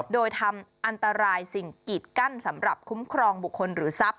โดยทำอันตรายสิ่งกีดกั้นสำหรับคุ้มครองบุคคลหรือทรัพย